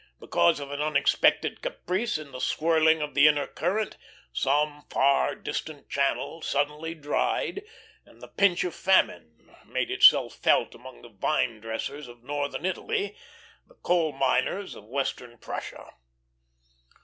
Because of an unexpected caprice in the swirling of the inner current, some far distant channel suddenly dried, and the pinch of famine made itself felt among the vine dressers of Northern Italy, the coal miners of Western Prussia.